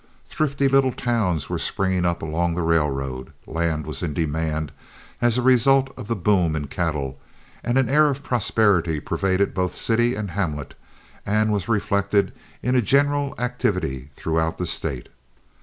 Thrifty little towns were springing up along the railroad, land was in demand as a result of the boom in cattle, and an air of prosperity pervaded both city and hamlet and was reflected in a general activity throughout the State.